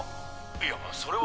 いやそれは。